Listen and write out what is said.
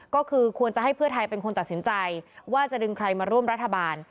ก็คือควรจะให้เพื่อไทยเป็นคนตัดสินใจว่าจะดึงใครมาร่วมรัฐบาล